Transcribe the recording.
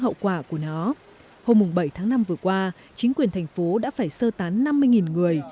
hậu quả của nó hôm bảy tháng năm vừa qua chính quyền thành phố đã phải sơ tán năm mươi người